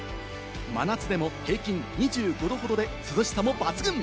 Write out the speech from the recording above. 真夏でも平均２５度ほどで、涼しさも抜群。